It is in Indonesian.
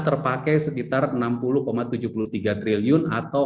terpakai sekitar enam puluh tujuh puluh tiga triliun